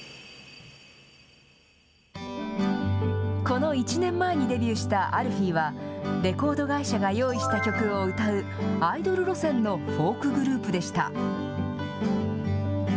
この１年前にデビューしたアルフィーは、レコード会社が用意した曲を歌うアイドル路線のフォークグループでした。